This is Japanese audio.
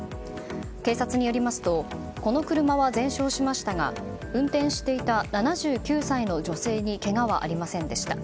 警察によりますとこの車は全焼しましたが運転していた７９歳の女性にけがはありませんでした。